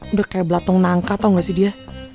udah kayak belatung nangka tau gak sih dia